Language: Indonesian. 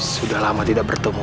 sudah lama tidak bertemu